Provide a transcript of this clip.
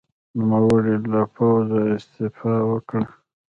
نوموړي له پوځه استعفا وکړه.